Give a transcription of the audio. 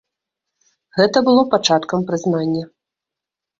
Гэта было пачаткам прызнання.